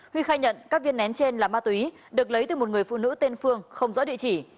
huy khai nhận các viên nén trên là ma túy được lấy từ một người phụ nữ tên phương không rõ địa chỉ